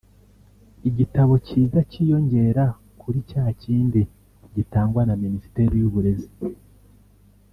igitabo kiza kiyongera kuri cya kindi gitangwa na Minisiteri y’Uburezi